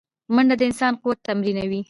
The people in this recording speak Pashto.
منډه د انسان قوت تمرینوي